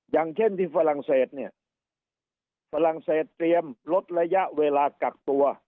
อย่างเช่นที่ฝรั่งเศสเตรียมลดระยะเวลากักตัว